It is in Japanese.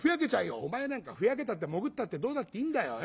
「お前なんかふやけたってもぐったってどうだっていいんだよ。